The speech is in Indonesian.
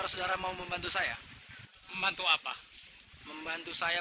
gue jadi kepengen tahu rupanya